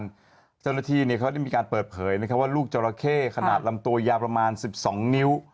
เจ้าหน้าที่เขาได้มีการเปิดเผยว่าลูกจราเข้ขนาดลำตัวยาวประมาณ๑๒นิ้ว